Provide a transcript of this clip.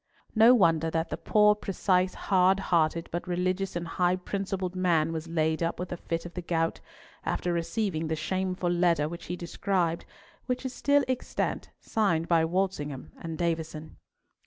No wonder that the poor, precise, hard hearted, but religious and high principled man was laid up with a fit of the gout, after receiving the shameful letter which he described, which is still extant, signed by Walsingham and Davison.